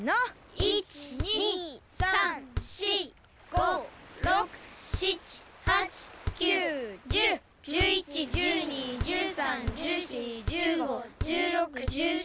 １２３４５６７８９１０１１１２１３１４１５１６１７１８１９２０２１。